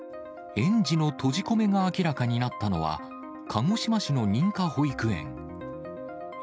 園児の閉じ込めが明らかになったのは、鹿児島市の認可保育園。